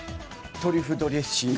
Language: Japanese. トリュフドレッシング？